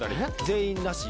全員なし？